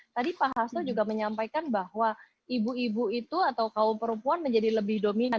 tadi pak hasno juga menyampaikan bahwa ibu ibu itu atau kaum perempuan menjadi lebih dominan